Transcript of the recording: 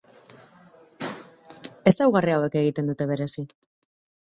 Ezaugarri hauek egiten dute berezi.